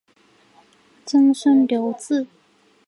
曾孙刘洎。